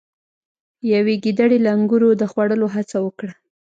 یوې ګیدړې له انګورو د خوړلو هڅه وکړه.